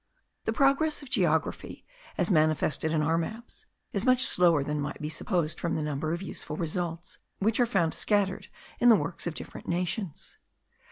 The progress of geography, as manifested on our maps, is much slower than might be supposed from the number of useful results which are found scattered in the works of different nations.